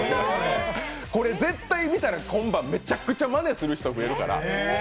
これ、絶対見たら、今晩めちゃくちゃまねする人が増えるから。